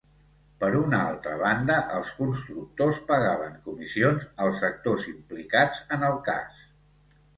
Per una altra banda, els constructors pagaven comissions als actors implicats en el cas.